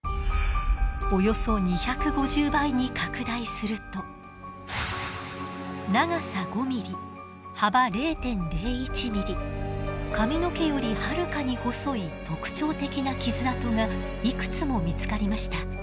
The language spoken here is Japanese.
およそ２５０倍に拡大すると長さ５ミリ幅０．０１ミリ髪の毛よりはるかに細い特徴的な傷痕がいくつも見つかりました。